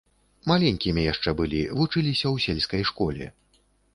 Маленькімі яшчэ былі, вучыліся ў сельскай школе.